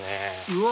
うわ！